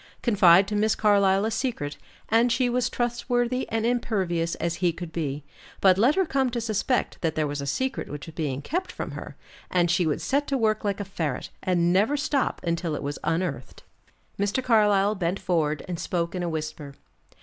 Confide to Miss Carlyle a secret, and she was trustworthy and impervious as he could be; but let her come to suspect that there was a secret which was being kept from her, and she would set to work like a ferret, and never stop until it was unearthed. Mr. Carlyle bent forward and spoke in a whisper.